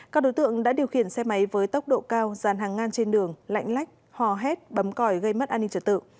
các đối tượng đã điều khiển xe máy với tốc độ cao dàn hàng ngang trên đường lạnh lách hò hét bấm còi gây mất an ninh trật tự